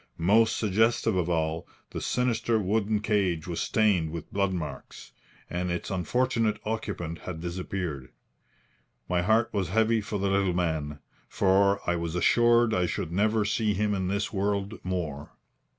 Most suggestive of all, the sinister wooden cage was stained with blood marks, and its unfortunate occupant had disappeared. My heart was heavy for the little man, for I was assured I should never see him in this world more.